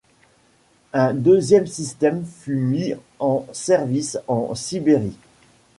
Un deuxième système fut mis en service en Sibérie.